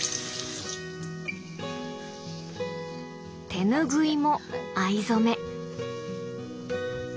手ぬぐいも藍染め。